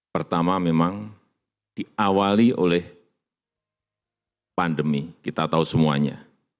pertama memang diawali oleh pandemi kita tahu semuanya